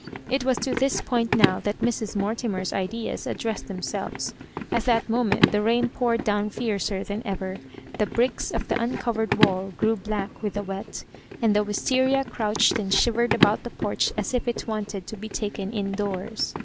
It was to this point now that Mrs. Mortimer's ideas addressed themselvea At that moment the rain poured down fiercer than ever, the bricks of the un covered wall grew black with the wet, and the Wisteria crouched and shivered about the porch as if it wanted to be taken indoors.